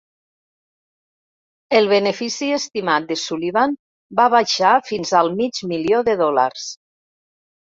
El benefici estimat de Sullivan va baixar fins al mig milió de dòlars.